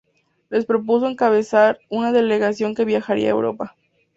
Les propuso encabezar una delegación que viajaría a Europa.